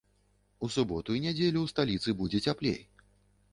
У суботу і нядзелю ў сталіцы будзе цяплей.